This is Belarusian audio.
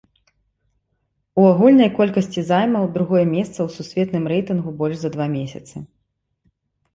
У агульнай колькасці займаў другое месца ў сусветным рэйтынгу больш за два месяцы.